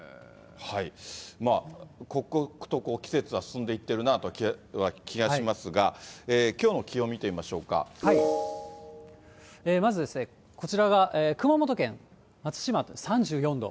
まあ、刻々と季節は進んでいっているなという気がしますが、きょうの気まずですね、こちらが熊本県、松島と３４度。